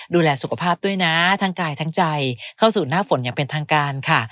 ดูแลสุขภาพด้วยนะทั้งกายทั้งใจเข้าสู่หน้าฝนอย่างเป็นทางการค่ะ